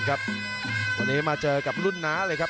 วันนี้มาเจอกับรุ่นน้าเลยครับ